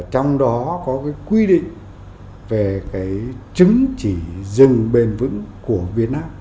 trong đó có cái quy định về cái chứng chỉ rừng bền vững của việt nam